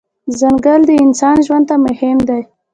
ځنګل د انسان ژوند ته مهم دی.